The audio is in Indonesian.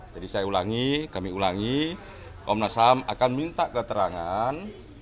jadi saya ulangi kami ulangi komnas ham akan minta keterangan